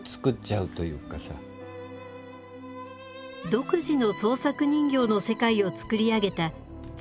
独自の創作人形の世界を作り上げた村寿三郎さん。